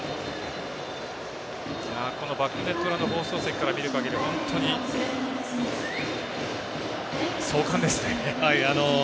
このバックネット裏の放送席から見るかぎり本当に壮観ですね。